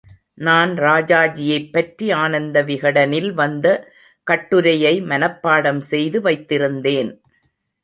நான் ராஜாஜியைப் பற்றி ஆனந்தவிகடனில் வந்த கட்டுரையை மனப்பாடம் செய்து வைத்திருந்தேன்.